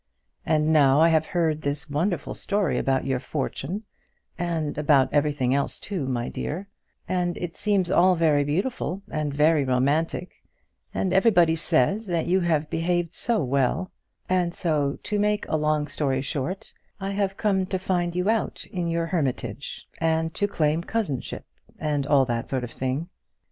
And now I have heard this wonderful story about your fortune, and about everything else, too, my dear; and it seems all very beautiful, and very romantic; and everybody says that you have behaved so well; and so, to make a long story short, I have come to find you out in your hermitage, and to claim cousinship, and all that sort of thing."